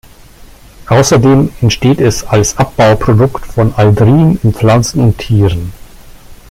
Außerdem entsteht es als Abbauprodukt von Aldrin in Pflanzen und Tieren.